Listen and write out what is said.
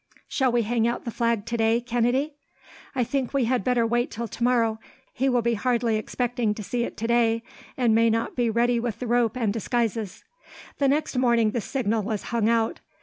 "Shall we hang out the flag today, Kennedy?" "I think we had better wait till tomorrow. He will be hardly expecting to see it, today, and may not be ready with the rope and disguises." The next morning the signal was hung out.